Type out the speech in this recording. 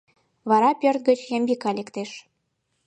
Вара пӧрт гыч Ямбика лектеш.